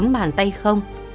bốn bàn tay không